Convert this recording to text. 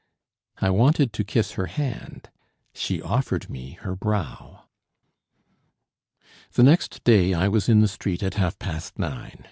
I wanted to kiss her hand; she offered me her brow. The next day I was in the street at half past nine.